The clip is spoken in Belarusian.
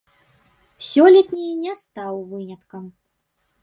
Сёлетні не стаў выняткам.